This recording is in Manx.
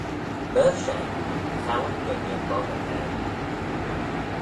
Myr shen ghow yn dooinney boggey maroo.